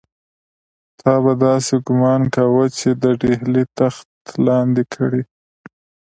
تا به داسې ګومان کاوه چې د ډهلي تخت یې لاندې کړی.